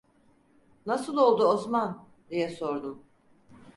"Nasıl oldu, Osman?" diye sordum.